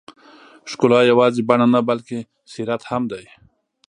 ښکلا یوازې بڼه نه، بلکې سیرت هم دی.